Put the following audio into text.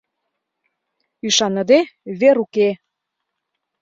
— Ӱшаныде, вер уке.